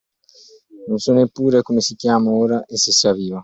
Non so neppure come si chiami ora e se sia viva.